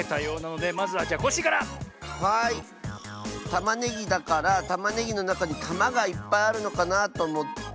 たまねぎだからたまねぎのなかにたまがいっぱいあるのかなとおもって。